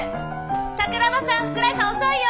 桜庭さん福来さん遅いよ！